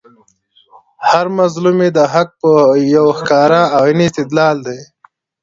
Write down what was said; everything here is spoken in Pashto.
هر مظلوم ئې د حق یو ښکاره او عیني استدلال دئ